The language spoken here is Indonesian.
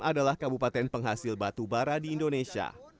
adalah kabupaten penghasil batu bara di indonesia